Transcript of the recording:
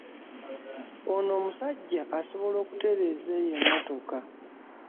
Ono omusajja asobola okutereeza eyo emmotoka.